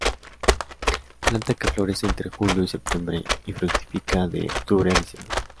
Planta que florece entre julio y septiembre y fructifica de octubre a diciembre.